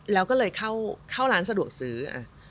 แล้วก็เลยเข้าร้านสะดวกซื้อ